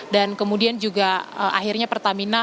dan kemudian juga akhirnya pertamina